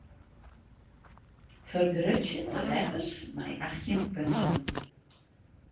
Fergrutsje de letters mei achttjin punten.